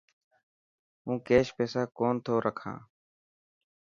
هون ڪيش پيسا ڪونه ٿو رکان.